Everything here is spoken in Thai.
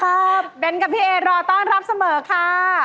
เกมรับจำนำโรงจำนำแห่งความหันศาเปิดทำการแล้วนะครับ